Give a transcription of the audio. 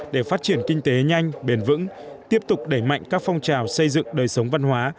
để phát triển kinh tế nhanh bền vững tiếp tục đẩy mạnh các phong trào xây dựng đời sống văn hóa